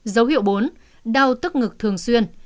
dấu hiệu bốn đau tức ngực thường xuyên